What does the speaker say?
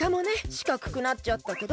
しかくくなっちゃったけど。